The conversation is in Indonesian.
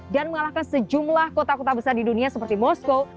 dan mengalahkan sejumlah kota kota besar di dunia seperti moskow